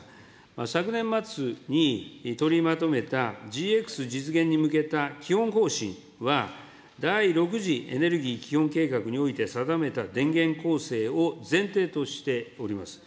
昨年末に取りまとめた、ＧＸ実現に向けた基本方針は、第６次エネルギー基本計画において定めた電源構成を前提としております。